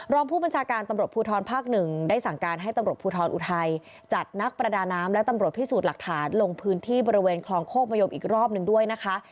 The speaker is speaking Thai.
รองผู้บัญชาการตำรวจภูทรภาคหนึ่งได้สั่งการให้ตำรวจภูทรอุทัยจัดนักประดาน้ำและตำรวจพิสูจน์หลักฐานลงพื้นที่บริเวณคลองโคกมะยมอีกรอบหนึ่งด้วยนะคะ